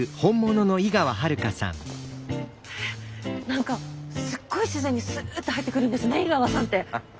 何かすっごい自然にすっと入ってくるんですね井川さんって。